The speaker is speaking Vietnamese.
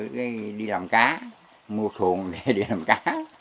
rồi đi làm cá mua thuần về đi làm cá